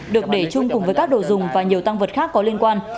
được để chung cùng với các đồ dùng và nhiều tăng vật khác có liên quan